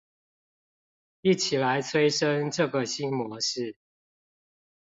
一起來催生這個新模式